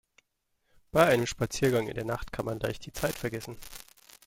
Bei einem Spaziergang in der Nacht kann man leicht die Zeit vergessen.